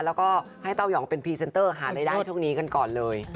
แล้วก็ให้เต้ายองเป็นพรีเซนเตอร์หารายได้ช่วงนี้กันก่อนเลย